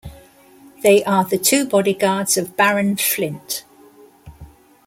They are the two bodyguards of Baron Flynt.